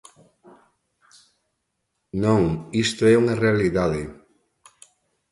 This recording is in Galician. Non, isto é unha realidade.